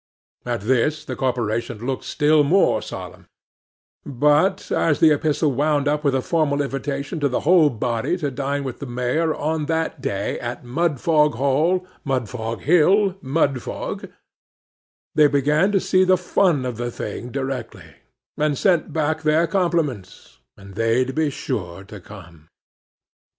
At this the corporation looked still more solemn; but, as the epistle wound up with a formal invitation to the whole body to dine with the Mayor on that day, at Mudfog Hall, Mudfog Hill, Mudfog, they began to see the fun of the thing directly, and sent back their compliments, and they'd be sure to come.